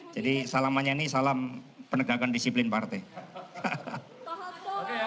jadi salamannya ini salam penegakan disiplin partai